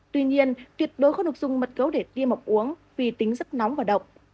tuy nhiên tuyệt đối không được dùng mật gấu để tiêm mọc uống vì tính rất nóng và độc